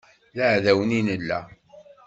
D aɛdawen i nella.